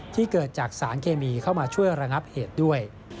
ที่เกิดจากสารเคมีเข้ามาช่วยระงับเหตุด้วย